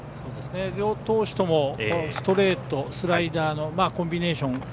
両投手ともストレート、スライダーのコンビネーション